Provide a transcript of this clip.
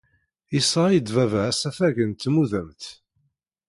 Yesɣa-iyi-d baba asafag n tmudemt.